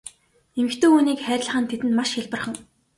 Эмэгтэй хүнийг хайрлах нь тэдэнд маш хялбархан.